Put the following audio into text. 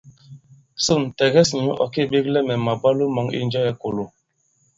Sôn, tɛ̀gɛs nyǔ ɔ̀ kê-beglɛ mɛ̀ màbwalo mɔ̄ŋ i Njɛɛ̄-Kōlo.